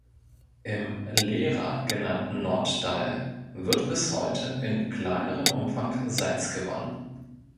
Im "Lera" genannten Nordteil wird bis heute in kleinerem Umfang Salz gewonnen.